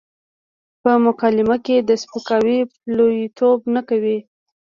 په مکالمه کې د سپکاوي پلويتوب نه کوي.